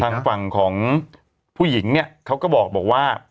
ทางฝั่งของผู้หญิงเนี่ยเขาก็บอกว่า